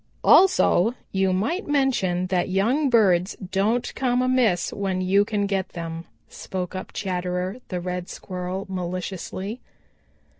"Also you might mention that young birds don't come amiss when you can get them," spoke up Chatterer the Red Squirrel maliciously.